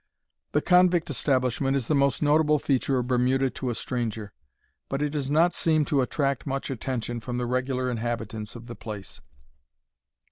The convict establishment is the most notable feature of Bermuda to a stranger, but it does not seem to attract much attention from the regular inhabitants of the place.